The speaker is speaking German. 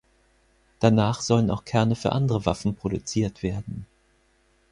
Danach sollen auch Kerne für andere Waffen produziert werden.